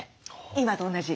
今と同じ？